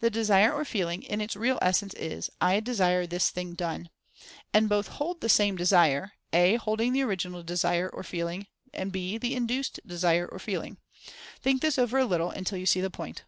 The Desire or Feeling, in its real essence is, "I desire this thing done/' And both hold the same Desire, A holding the original Desire or Feeling, and B the induced Desire or Feeling. Think this over a little, until you see the point.